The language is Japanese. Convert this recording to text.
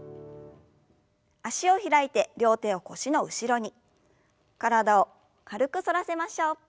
脚を開いて両手を腰の後ろに体を軽く反らせましょう。